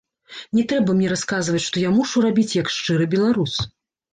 Не трэба мне расказваць, што я мушу рабіць як шчыры беларус.